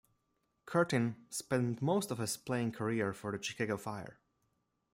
Curtin spent most of his playing career for the Chicago Fire.